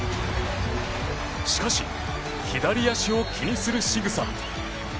しかし、左足を気にする仕草。